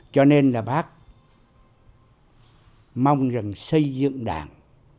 cho nên là bác mong rằng xây dựng đảng